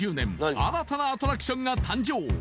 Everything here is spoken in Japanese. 新たなアトラクションが誕生！